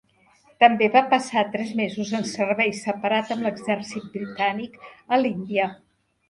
També va passar tres mesos en servei separat amb l'exèrcit britànic a l'Índia.